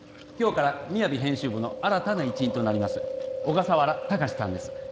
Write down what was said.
今日から「ＭＩＹＡＶＩ」編集部の新たな一員となります小笠原隆さんです